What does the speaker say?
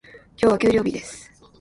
今日は給料日です。